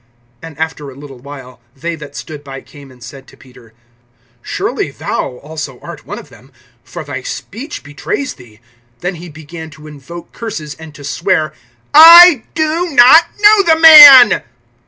(73)And after a little while, they that stood by came and said to Peter: Surely thou also art one of them; for thy speech betrays thee. (74)Then he began to invoke curses, and to swear: I do not know the man.